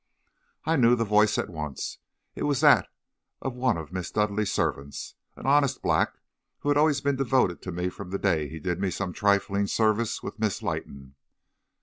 "I knew the voice at once. It was that of one of Miss Dudleigh's servants, an honest black, who had always been devoted to me from the day he did me some trifling service with Miss Leighton.